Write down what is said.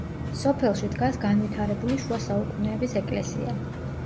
სოფელში დგას განვითარებული შუა საუკუნეების ეკლესია.